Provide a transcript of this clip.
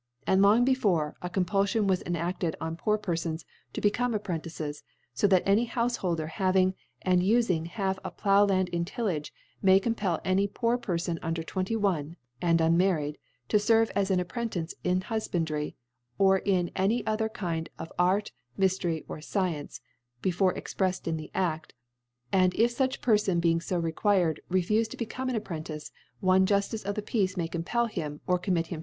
And long be E 2 fore. ( 76 ) fore, a Compulfion was enafted * on poor Perfons to become Apprentices ; fo that any Houfholder, having and ufing half aPlough Jand in Tillage, itiay compel any poor Per Ibn under twenty one ahd unmarried, to lerve as an Apprentice in Hufbandry, or in any other Kind of Art, Myftery, or Science (before exprefled in the Adt f :) and if fuch rerlbn, being fo required, rcfufeto become , an Apprentice, one Juftice of Peace may compel him, or commit him.